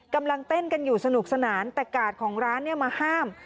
กำลังเต้นกันอยู่สนุกสนานแต่กาดของร้านเนี่ยมาห้าม